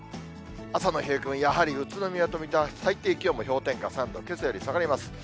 朝の冷え込み、やはり宇都宮と水戸は最低気温も氷点下３度、けさより下がります。